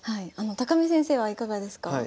見先生はいかがですか？